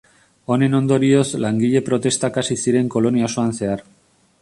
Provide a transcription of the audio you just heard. Honen ondorioz langile-protestak hasi ziren kolonia osoan zehar.